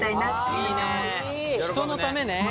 人のためね。